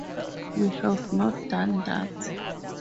We have not done that.